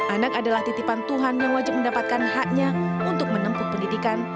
anak adalah titipan tuhan yang wajib mendapatkan haknya untuk menempuh pendidikan